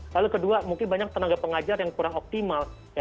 lalu kedua mungkin banyak tenaga pengajar yang kurang optimal